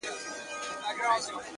ستادی !ستادی! ستادی فريادي گلي!